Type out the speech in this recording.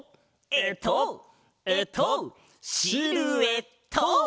えっとえっとシルエット！